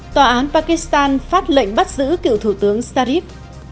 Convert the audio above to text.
tòa án pakistan phát lệnh bắt giữ cựu thủ tướng sharif